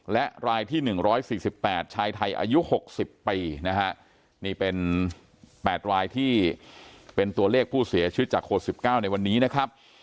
และรายที่๑๔๘ชายไทยอายุ๖๐ปีนะฮะนี่เป็น๘รายที่เป็นตัวเลขผู้เสียชีวิตจากโควิด๑๙ในวันนี้นะครับ